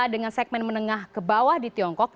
dengan segmen menengah ke bawah di tiongkok